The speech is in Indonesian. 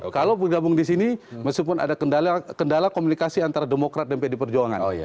kalau bergabung di sini meskipun ada kendala komunikasi antara demokrat dan pd perjuangan